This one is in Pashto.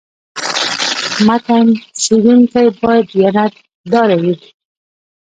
متن څېړونکی باید دیانت داره وي.